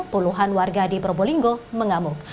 puluhan warga di probolinggo mengamuk